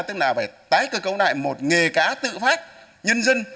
tức là phải tái cơ cấu lại một nghề cá tự phát nhân dân